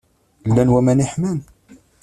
Llan waman yeḥman?